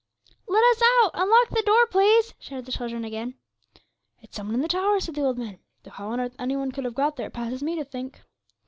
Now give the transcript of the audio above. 'Let us out; unlock the door, please!' shouted the children again. 'It's some one in the tower,' said the old man; 'though how on earth any one could have got there it passes me to think.'